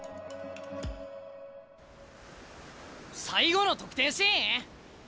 最後の得点シーン？